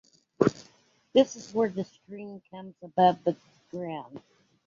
This is where the stream comes above the ground.